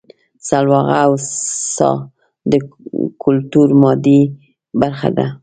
سلواغه او څا د کولتور مادي برخه ده